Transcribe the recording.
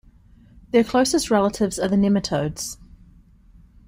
Their closest relatives are the nematodes.